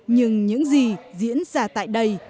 những gì diễn ra tại đây